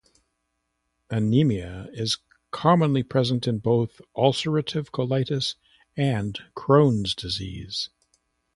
Anaemia is commonly present in both ulcerative colitis and Crohn's disease.